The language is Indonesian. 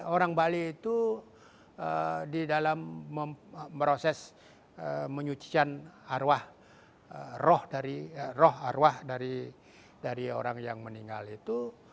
orang bali itu di dalam proses menyucikan arwah roh dari roh arwah dari orang yang meninggal itu